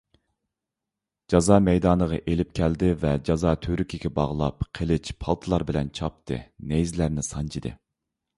جازا مەيدانىغا ئېلىپ كەلدى ۋە جازا تۈۋرۈكىگە باغلاپ قىلىچ، پالتىلار بىلەن چاپتى، نەيزىلەرنى سانجىدى.